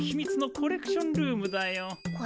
コレクションルーム？